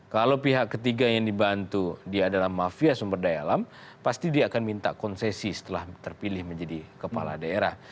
kalau pihak ketiga yang dibantu dia adalah mafia sumber daya alam pasti dia akan minta konsesi setelah terpilih menjadi kepala daerah